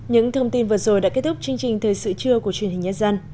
những thông tin vừa rồi đã kết thúc chương trình thời sự trưa của truyền hình nhân dân